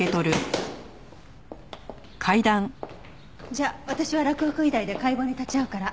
じゃあ私は洛北医大で解剖に立ち会うから。